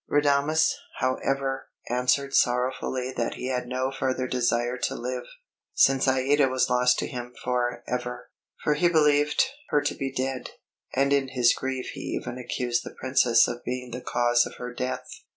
Radames, however, answered sorrowfully that he had no further desire to live, since Aïda was lost to him for ever; for he believed her to be dead, and in his grief he even accused the Princess of being the cause of her death.